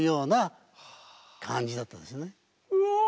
うわ！